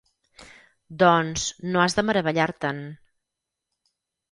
-Doncs, no has de meravellar-te'n.